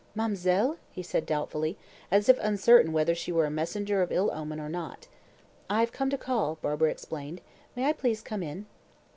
"Ma'm'selle?" he said doubtfully, as if uncertain whether she were a messenger of ill omen or not. "I have come to call," Barbara explained. "May I please come in?"